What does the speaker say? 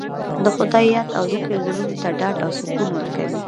د خدای یاد او ذکر زړونو ته ډاډ او سکون ورکوي.